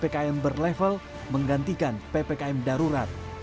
ppkm berlevel menggantikan ppkm darurat